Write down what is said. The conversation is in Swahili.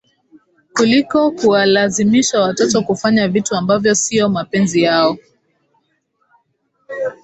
Kuliko kuwalazimisha watoto kufanya vitu ambavyo sio mapenzi yao